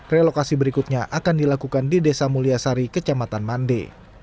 relokasi berikutnya akan dilakukan di desa mulyasari kecamatan mande